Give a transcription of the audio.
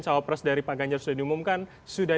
cawapres dari pak ganjar sudah diumumkan sudah